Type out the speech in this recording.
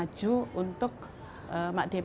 maju terus untuk bisa membantu penghasilan keluarga